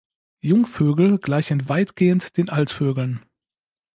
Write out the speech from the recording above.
Jungvögel gleichen weitgehend den Altvögeln.